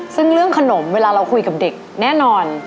ซึ่งเรื่องขนมเวลาเราคุยกับเด็กแน่นอน